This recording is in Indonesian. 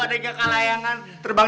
terbangrehan pintar ya